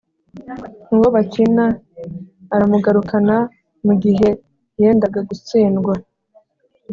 uwo bakina aramugarukana mugihe yendaga gutsindwa